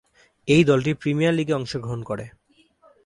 এই দলটি প্রিমিয়ার লীগে অংশগ্রহণ করে।